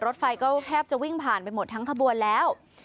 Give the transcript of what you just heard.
รถไฟก็แทบจะวิ่งผ่านไปหมดทั้งขบวนแล้ว